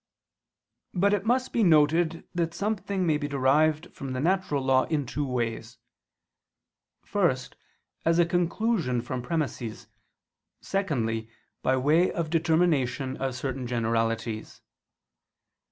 But it must be noted that something may be derived from the natural law in two ways: first, as a conclusion from premises, secondly, by way of determination of certain generalities.